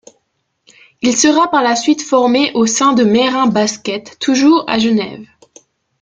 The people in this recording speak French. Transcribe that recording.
Il sera par la suite formé au sein de Meyrin Basket toujours à Genève.